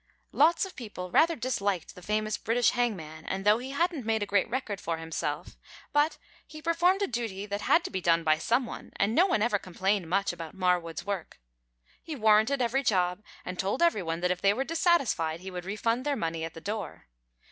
Lots of people rather disliked the famous British hangman, and thought he hadn't made a great record for himself, but he performed a duty that had to be done by someone, and no one ever complained much about Marwood's work. He warranted every job and told everyone that if they were dissatisfied he would refund their money at the door.